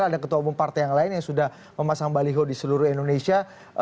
ada ketua umum partai yang lain yang sudah memasang baliho di seluruh indonesia